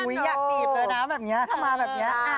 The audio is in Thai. อุ้ยอยากจีบเลยนะแบบเนี้ยเข้ามาแบบเนี้ยอ่ะ